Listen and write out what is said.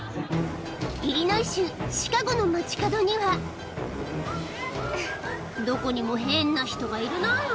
イリノイ州シカゴの街角にはどこにも変な人がいるなぁ